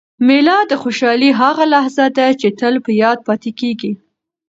مېله د خوشحالۍ هغه لحظه ده، چي تل په یاد پاته کېږي.